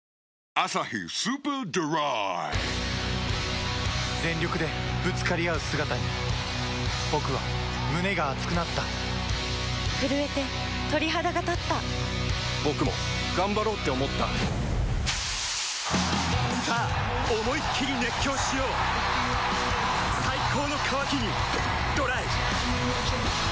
「アサヒスーパードライ」全力でぶつかり合う姿に僕は胸が熱くなった震えて鳥肌がたった僕も頑張ろうって思ったさあ思いっきり熱狂しよう最高の渇きにＤＲＹ